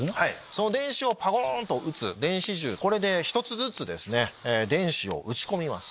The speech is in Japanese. その電子をパコンと撃つ電子銃で１つずつ電子を撃ち込みます。